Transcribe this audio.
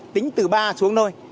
tính từ ba xuống nơi